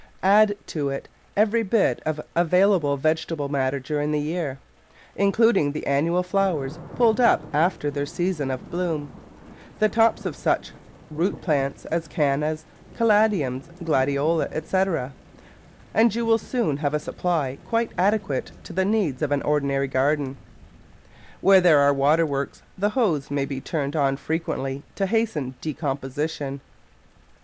Add to it every bit of available vegetable matter during the year, including the annual flowers pulled up after their season of bloom, the tops of such root plants as Cannas, Cala diums, Gladioli, etc., and you will soon have a supply quite adequate to the needs of an ordinary garden. Where there are water works the hose may be turned on frequently to hasten decomposition.